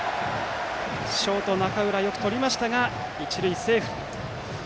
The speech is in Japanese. ショート、中浦よくとりましたが一塁、セーフ。